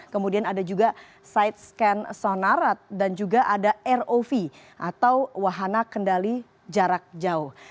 kemudian ada juga side scan sonarat dan juga ada rov atau wahana kendali jarak jauh